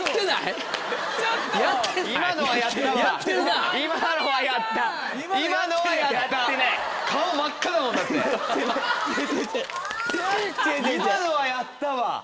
今のはやったわ！